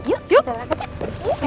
kita berangkat dong